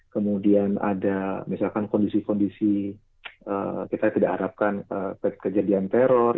kemudian ada misalkan kondisi kondisi kita tidak harapkan kejadian teror